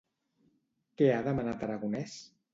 Què ha demanat Aragonès?